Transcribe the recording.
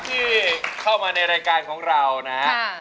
ที่เข้ามาในรายการของเรานะครับ